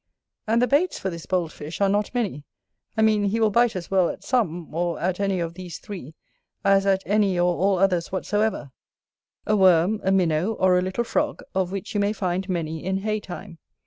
And the baits for this bold fish are not many: I mean, he will bite as well at some, or at any of these three, as at any or all others whatsoever: a worm, a minnow, or a little frog, of which you may find many in hay time.